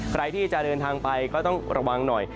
ใครที่จะเดินทางไปก็ต้องระวังหน่อย